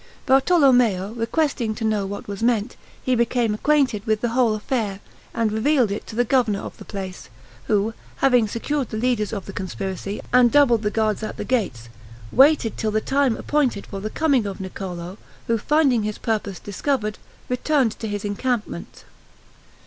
Bartolomeo, requesting to know what was meant, he became acquainted with the whole affair, and revealed it to the governor of the place, who, having secured the leaders of the conspiracy, and doubled the guards at the gates, waited till the time appointed for the coming of Niccolo, who finding his purpose discovered, returned to his encampment.